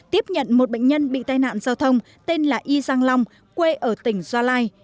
tiếp nhận một bệnh nhân bị tai nạn giao thông tên là y giang long quê ở tỉnh gia lai